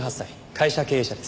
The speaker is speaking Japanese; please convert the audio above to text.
会社経営者です。